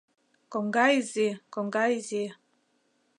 Коҥга изи, коҥга изи -